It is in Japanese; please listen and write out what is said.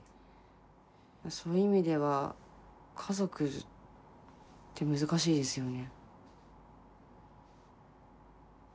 そういう意味では家族って難しいですよね。